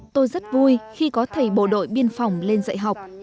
tôi rất vui khi có thầy bộ đội biên phòng lên dạy học